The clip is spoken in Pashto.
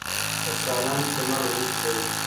د سالنګ تونل اوږد دی